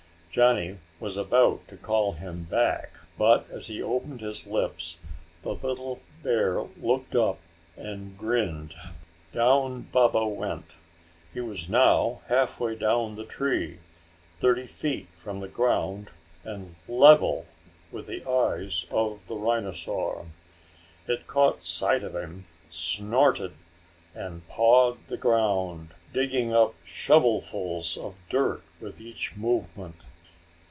Johnny was about to call him back, but as he opened his lips, the little bear looked up and grinned. Down Baba went. He was now halfway down the tree, thirty feet from the ground and level with the eyes of the rhinosaur. It caught sight of him, snorted, and pawed the ground, digging up shovelfuls of dirt with each movement.